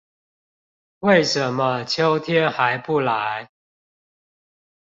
為什麼秋天還不來